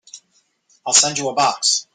I'll send you a box.